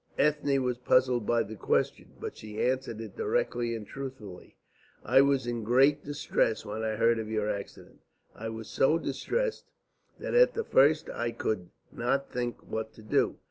Ethne was puzzled by the question, but she answered it directly and truthfully. "I was in great distress when I heard of your accident. I was so distressed that at the first I could not think what to do.